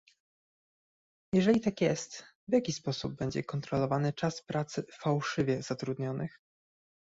Jeżeli tak jest, w jaki sposób będzie kontrolowany czas pracy "fałszywie" zatrudnionych?